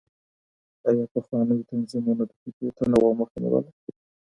آيا پخوانيو تنظيمونو د فکري تنوع مخه نيوله؟